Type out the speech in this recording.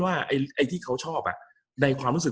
กับการสตรีมเมอร์หรือการทำอะไรอย่างเงี้ย